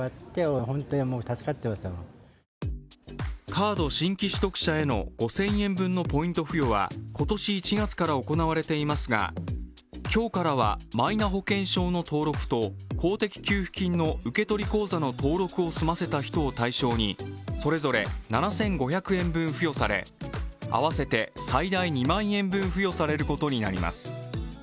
カード新規取得者への５０００円分のポイント付与は今年１月から行われていますが今日からはマイナ保険証の登録と公的給付金の受け取り口座の登録を済ませた人を対象にそれぞれ７５００円分付与され、合わせて最大２万円分付与されることになります。